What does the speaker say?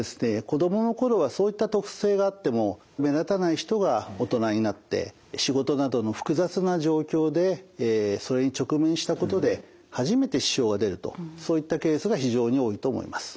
子どものころはそういった特性があっても目立たない人が大人になって仕事などの複雑な状況でそれに直面したことで初めて支障が出るとそういったケースが非常に多いと思います。